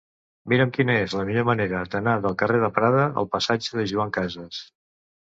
Mira'm quina és la millor manera d'anar del carrer de Prada al passatge de Joan Casas.